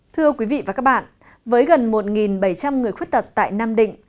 thưa quý vị và các bạn với gần một bảy trăm linh người khuyết tật tại nam định